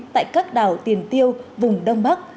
tại các đảo tiền tiêu vùng đông bắc